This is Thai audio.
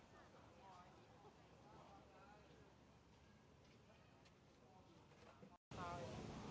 เมื่อเวลาเมื่อเวลาเมื่อเวลาเมื่อเวลา